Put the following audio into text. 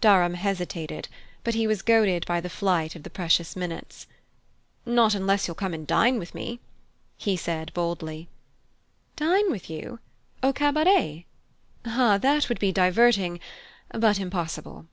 Durham hesitated; but he was goaded by the flight of the precious minutes. "Not unless you'll come and dine with me," he said boldly. "Dine with you? Au cabaret? Ah, that would be diverting but impossible!"